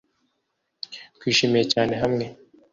Twishimiye cyane hamwe